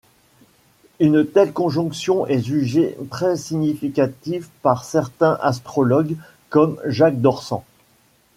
Une telle conjonction est jugée très significative par certains astrologues, comme Jacques Dorsan.